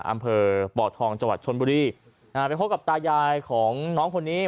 อำเภอบ่อทองจังหวัดชนบุรีอ่าไปพบกับตายายของน้องคนนี้